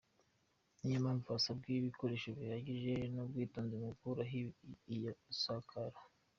Niyo mpamvu hasabwa ibikoresho bihagije n’ubwitonzi mu gukuraho iyo sakaro.